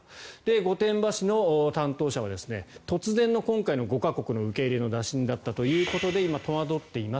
御殿場市の担当者は突然の今回の５か国の受け入れの打診だったということで今、戸惑っています。